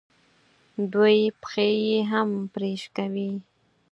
دوی پښې یې هم پرې کوي.